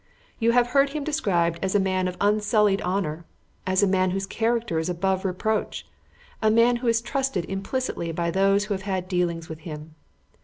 You have heard him described as a man of unsullied honour, as a man whose character is above reproach; a man who is trusted implicitly by those who have had dealings with him.